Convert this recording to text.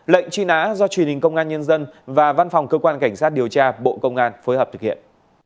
lệnh truy nã do truyền hình công an nhân dân và văn phòng cơ quan cảnh sát điều tra bộ công an phối hợp thực hiện